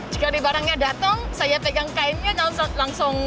jika nih barangnya datang saya pegang kainnya langsung